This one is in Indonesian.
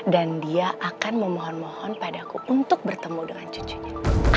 dan dia akan memohon mohon padaku untuk bertemu dengan cucunya